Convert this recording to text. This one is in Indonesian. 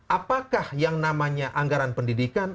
apakah yang namanya anggaran pendidikan